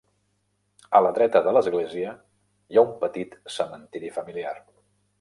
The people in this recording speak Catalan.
A la dreta de l'església hi ha un petit cementiri familiar.